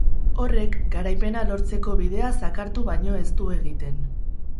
Horrek, garaipena lortzeko bidea zakartu baino ez du egiten.